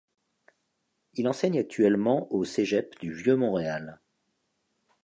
Il enseigne actuellement au Cégep du Vieux Montréal.